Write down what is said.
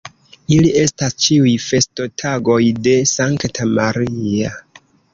Ili estas ĉiuj festotagoj de Sankta Maria.